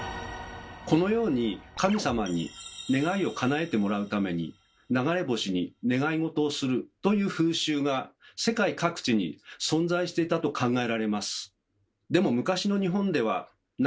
このように神様に願いをかなえてもらうために流れ星に願いごとをするという風習が世界各地に存在していたと考えられます。